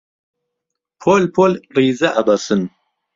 پۆل پۆل ڕیزە ئەبەسن